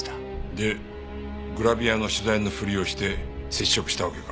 でグラビアの取材のふりをして接触したわけか。